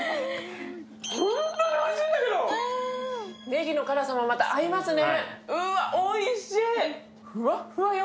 ねぎの辛さもまた合いますね、うわ、おいしい！